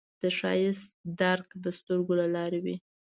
د ښایست درک د سترګو له لارې وي